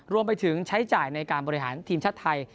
รวมไปถึงใช้จ่ายในการบริหารทีมชาติไทย